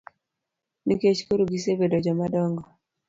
Nikech koro gisebedo joma dongo.